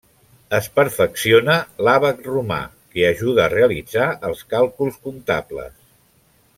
Es perfecciona l'àbac romà, que ajuda a realitzar els càlculs comptables.